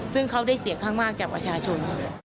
ซึ่งเขาได้เสียงข้างมากจากประชาชน